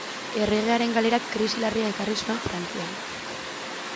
Erregearen galerak krisi larria ekarri zuen Frantzian.